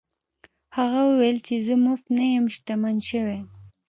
هغه وویل چې زه مفت نه یم شتمن شوی.